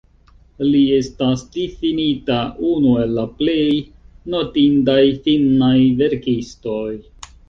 Li estas difinita unu el la plej notindaj finnaj verkistoj.